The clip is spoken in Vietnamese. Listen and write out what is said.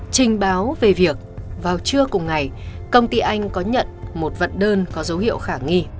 trình báo về việc vào trưa cùng ngày công ty anh có nhận một vật đơn có dấu hiệu khả nghi